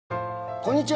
こんにちは。